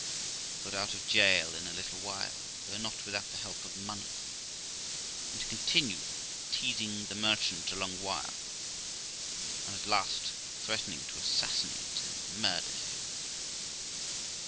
He got out of jail in a little while, though not without the help of money, and continued teasing the merchant a long while, and at last threatening to assassinate and murder him.